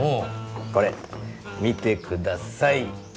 これ見てください。